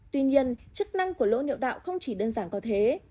tuy nhiên chức năng của lỗ nậu đạo không chỉ đơn giản có thế